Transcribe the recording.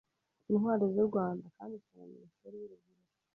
Intwari z’u Rwanda” kanditswe na Minisiteri y’Urubyiruko